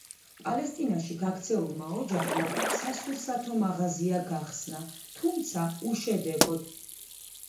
პალესტინაში გაქცეულმა ოჯახმა სასურსათო მაღაზია გახსნა, თუმცა უშედეგოდ.